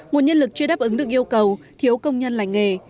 nguồn nhân lực chưa đáp ứng được yêu cầu thiếu công nhân lành nghề